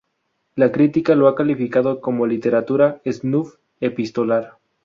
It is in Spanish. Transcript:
La crítica lo ha calificado como literatura snuff epistolar.